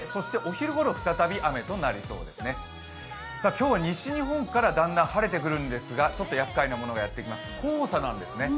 今日は西日本からだんだん晴れてくるんですがちょっとやっかいなものがやってきます、黄砂なんですね。